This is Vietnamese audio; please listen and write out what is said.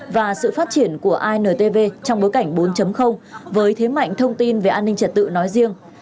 và sự phát triển của intv trong bối cảnh bốn với thế mạnh thông tin về an ninh trật tự nói riêng